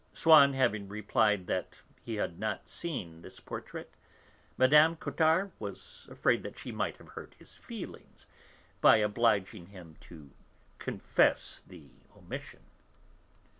Swann having replied that he had not seen this portrait, Mme. Cottard was afraid that she might have hurt his feelings by obliging him to confess the omission.